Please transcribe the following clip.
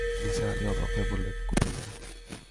নিসার আলি অবাক হয়ে বললেন, কুমিল্লা!